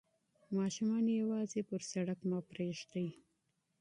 ماشومان یوازې پر سړک مه پریږدئ.